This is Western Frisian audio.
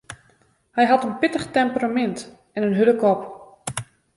Hy hat in pittich temperamint en in hurde kop.